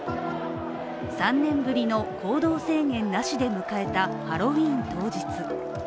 ３年ぶりの行動制限なしで迎えたハロウィーン当日。